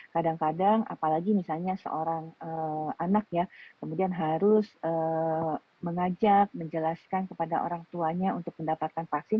kadang kadang apalagi misalnya seorang anak ya kemudian harus mengajak menjelaskan kepada orang tuanya untuk mendapatkan vaksin